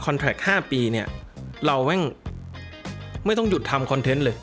คอนแทรคห้าปีเนี้ยเราแม่งไม่ต้องหยุดทำคอนเทนต์เลย